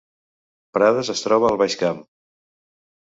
Prades es troba al Baix Camp